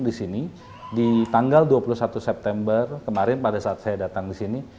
di sini di tanggal dua puluh satu september kemarin pada saat saya datang di sini